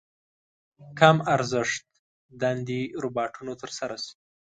کم ارزښت دندې روباټونو تر سره شي.